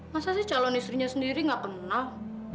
masa sih calon istrinya sendiri gak kenal